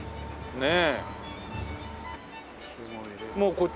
ねえ。